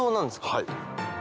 はい。